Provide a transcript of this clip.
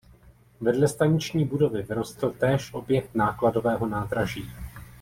Vedle staniční budovy vyrostl též objekt nákladového nádraží.